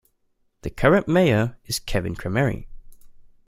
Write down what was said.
The current mayor is Kevin Crameri.